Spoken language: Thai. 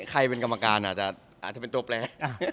ใครเป็นกรรมการอาจจะเป็นตัวแปล